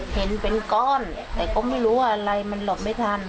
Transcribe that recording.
เห็นเป็นก้อนแต่ก็ไม่รู้ว่าอะไรมันหลบไม่ทัน